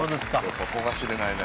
底が知れないね。